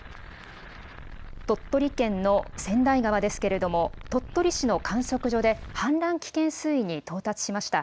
鳥取県の千代川ですけれども、鳥取市の観測所で氾濫危険水位に到達しました。